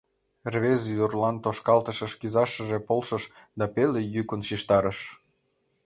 Рвезе ӱдырлан тошкалтышыш кӱзашыже полшыш да пеле йӱкын шижтарыш: